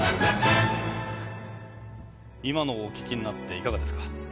今のをお聞きになっていかがですか？